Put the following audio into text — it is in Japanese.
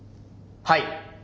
はい。